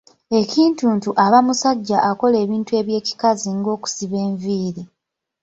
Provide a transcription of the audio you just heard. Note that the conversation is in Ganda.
Ekintuntu aba musajja akola ebintu eby'ekikazi nga okusiba enviiri.